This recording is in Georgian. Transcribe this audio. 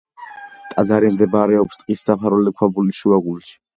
ტაძარი მდებარეობს ტყით დაფარული ქვაბულის შუაგულში.